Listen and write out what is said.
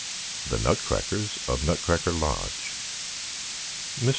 THE NUTCRACKERS OF NUTCRACKER LODGE. MR.